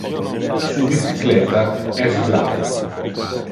Su bicycletta es blau.